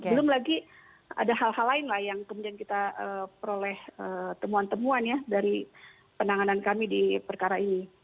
belum lagi ada hal hal lain lah yang kemudian kita peroleh temuan temuan ya dari penanganan kami di perkara ini